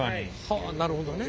はあなるほどね。